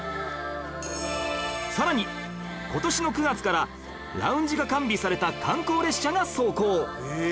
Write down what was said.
さらに今年の９月からラウンジが完備された観光列車が走行